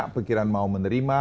pikiran mau menerima